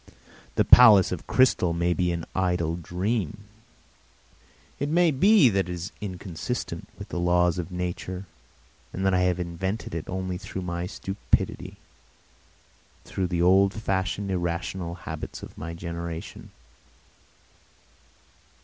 The palace of crystal may be an idle dream, it may be that it is inconsistent with the laws of nature and that I have invented it only through my own stupidity, through the old fashioned irrational habits of my generation.